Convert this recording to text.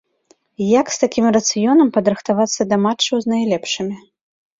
Як з такім рацыёнам падрыхтавацца да матчаў з найлепшымі?